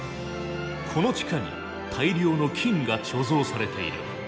この地下に大量の金が貯蔵されている。